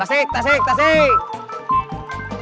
tasik tasik tasik